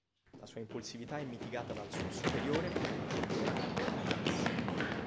La sua impulsività è mitigata dal suo superiore nonché miglior amico Jax.